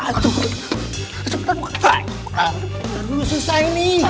aduh selesai nih